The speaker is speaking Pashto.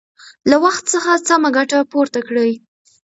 له وخت څخه سمه ګټه پورته کړئ.